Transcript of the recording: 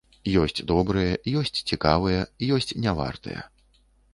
Ёсць добрыя, ёсць цікавыя, ёсць не вартыя.